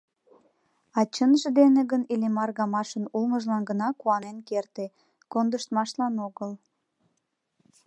А чынже дене гын Иллимар гамашын улмыжлан гына куанен керте, кондыштмашлан огыл.